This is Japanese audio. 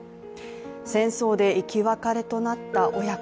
戦争で生き別れとなった親子、